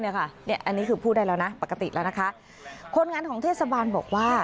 อันนี้คือพูดได้แล้วนะปกติแล้วนะคะคนงานของเทศบาลบอกว่า